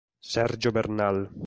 Sergio Bernal